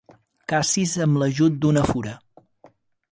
Cacis amb l'ajut d'una fura.